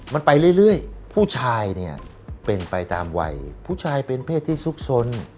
มันไปเรื่อยผู้ชายเนี่ยเป็นไปตามวัยผู้ชายเป็นเพศที่ซุกซน